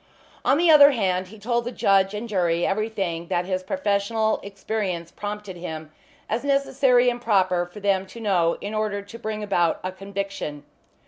On the other hand he told the judge and jury everything that his professional experience prompted him as necessary and proper for them to know in order to bring about a conviction.